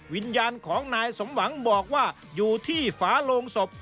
วิญญาณของนายสมหวังบอกว่าอยู่ที่ฝาโลงศพ